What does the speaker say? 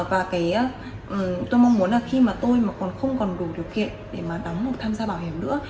và tôi mong muốn là khi mà tôi không còn đủ điều kiện để mà đóng một tham gia bảo hiểm nữa